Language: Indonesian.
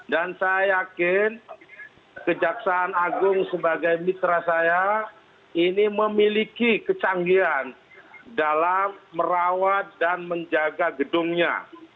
dan saya yakin kejaksaan agung sebagai mitra saya ini memiliki kecanggihan dalam merawat dan menjaga gedungnya